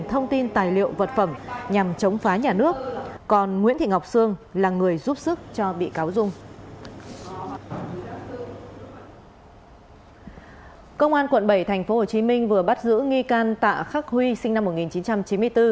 thành phố hồ chí minh vừa bắt giữ nghi can tạ khắc huy sinh năm một nghìn chín trăm chín mươi bốn